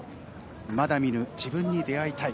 まだ見ぬ自分に出会いたい。